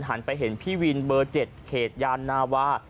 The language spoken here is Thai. หันไปเห็นพี่วินเบอร์๗เขตยานนาวา